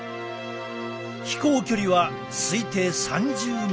飛行距離は推定３０メートル。